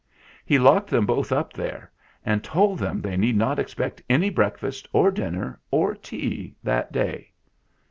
He locked them both up there, and told them they need not expect any breakfast or dinner or tea that day.